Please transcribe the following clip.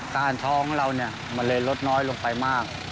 การท้อของเรามันเลยลดน้อยลงไปมาก